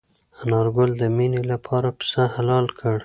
انارګل د مېنې لپاره پسه حلال کړ.